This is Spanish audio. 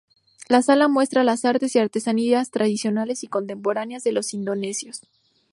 La sala muestra las artes y artesanías tradicionales y contemporáneas de los indonesios.